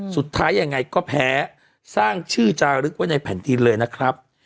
สุดท้ายยังไงก็แพ้สร้างชื่อจารึกไว้ในแผ่นดินเลยนะครับ